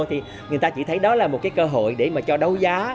thì người ta chỉ thấy đó là một cái cơ hội để mà cho đấu giá